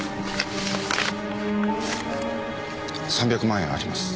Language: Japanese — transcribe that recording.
３００万円あります。